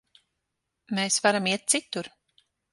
Mēs varam iet citur.